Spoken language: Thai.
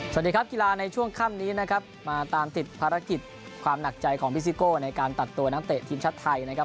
สวัสดีครับกีฬาในช่วงค่ำนี้นะครับมาตามติดภารกิจความหนักใจของพี่ซิโก้ในการตัดตัวนักเตะทีมชาติไทยนะครับ